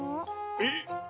えっ？